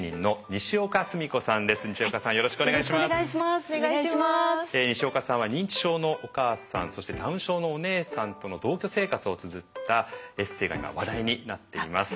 にしおかさんは認知症のお母さんそしてダウン症のお姉さんとの同居生活をつづったエッセーが今話題になっています。